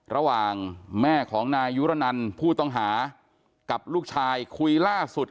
ระหว่างแม่ของนายยุรนันผู้ต้องหากับลูกชายคุยล่าสุด